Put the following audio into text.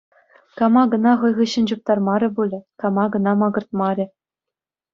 Кама кӑна хӑй хыҫҫӑн чуптармарӗ пулӗ, кама кӑна макӑртмарӗ.